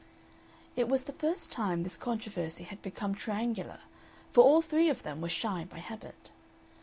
It was the first time this controversy had become triangular, for all three of them were shy by habit.